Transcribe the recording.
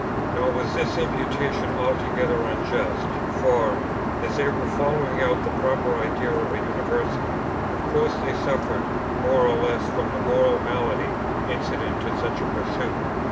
Nor was this imputation altogether unjust; for, as they were following out the proper idea of a University, of course they suffered more or less from the moral malady incident to such a pursuit.